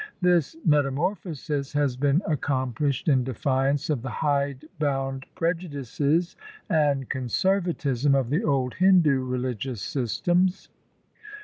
This metamorphosis has been accomplished in defiance of the hide bound preju h 2 ioo THE SIKH RELIGION dices and conservatism of the old Hindu religious systems.